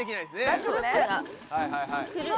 大丈夫ね？